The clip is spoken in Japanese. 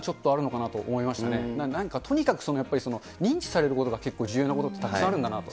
確かに通ずるものはちょっと何かとにかく認知されることが結構重要なことってたくさんあるんだなと。